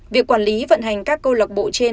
việc quản lý vận hành các câu lạc bộ trên